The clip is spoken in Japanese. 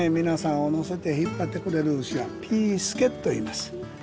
皆さんを乗せて引っ張ってくれる牛はピースケといいます。